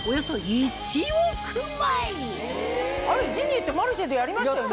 ジニエって『マルシェ』でやりましたよね？